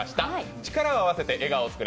力を合わせて笑顔を作れ！